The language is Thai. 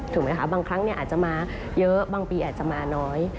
ถูกไหมคะบางครั้งอาจจะมาเยอะบางปีอาจจะมาน้อย